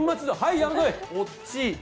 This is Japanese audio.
おっちい。